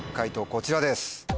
こちらです。